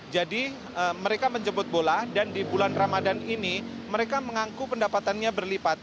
jadi mereka menjemput bola dan di bulan ramadan ini mereka mengangkuh pendapatannya berlipat